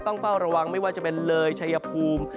เฝ้าระวังไม่ว่าจะเป็นเลยชัยภูมิ